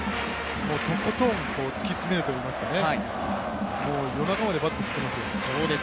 とことん突き詰めるといいますかね、夜中までバットを振っていますよ。